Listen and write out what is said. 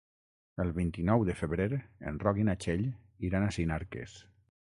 El vint-i-nou de febrer en Roc i na Txell iran a Sinarques.